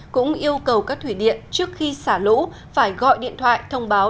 cũng yêu cầu các thủy điện trước khi xả lũ phải gọi điện thoại thông báo